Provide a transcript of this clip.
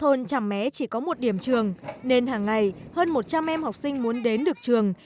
thôn trầm mé chỉ có một điểm trường nên hàng ngày hơn một trăm linh em học sinh muốn đến được trường